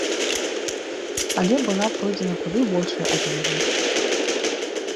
Але была пройдзена куды большая адлегласць.